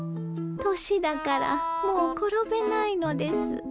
年だからもう転べないのです。